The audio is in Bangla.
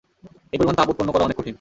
এই পরিমাণ তাপ উৎপন্ন করা অনেক কঠিন।